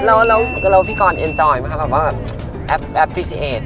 แล้วพี่กรน่ารักไหมคะแบบว่าแอปพริเศษ